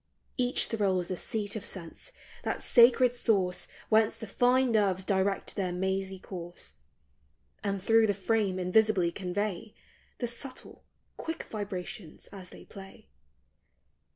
Each thrills the seat of sense, that sacred source Whence the fine nerves direct their mazy course, And through the frame invisibly convey The subtle, quick vibrations as they play.